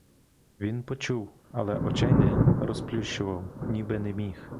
Він почув, але очей не розплющував, ніби не міг.